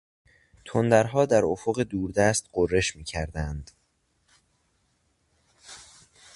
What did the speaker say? تندرها در افق دوردست غرش میکردند.